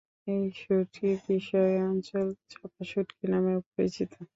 এই শুঁটকি বিভিন্ন অঞ্চলে "চাপা শুঁটকি" নামেও পরিচিত।